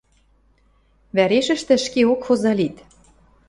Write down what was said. вӓрешӹштӹ ӹшкеок хоза лит...